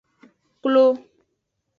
Klo.